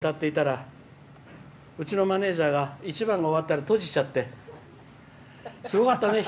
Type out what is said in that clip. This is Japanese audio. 「星に願いを」を歌っていたらうちのマネージャーが１番終わったら閉じちゃってすごかったね。